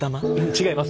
違います